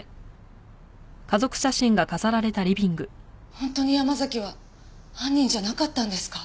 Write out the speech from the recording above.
本当に山崎は犯人じゃなかったんですか？